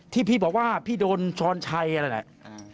ที่พี่บอกว่าพี่โดนช้อนชัยนั่นแหละ